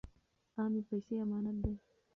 عامې پیسې امانت دي.